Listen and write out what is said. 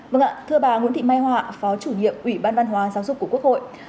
vâng ạ thưa bà nguyễn thị mai họa phó chủ nhiệm ủy ban văn hóa giáo dục của quốc hội